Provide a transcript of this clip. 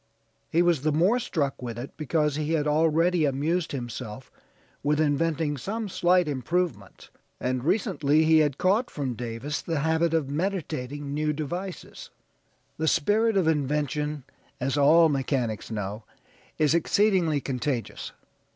He was the more struck with it because he had already amused himself with inventing some slight improvements, and recently he had caught from Davis the habit of meditating new devices. The spirit of invention, as all mechanics know, is exceedingly contagious.